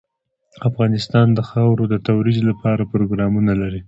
افغانستان د خاوره د ترویج لپاره پروګرامونه لري.